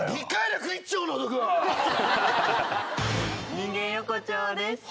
人間横丁です。